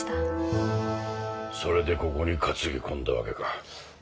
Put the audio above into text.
それでここに担ぎ込んだ訳か。